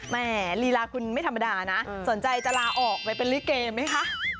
ลีลาคุณไม่ธรรมดานะสนใจจะลาออกไปเป็นลิเกไหมคะ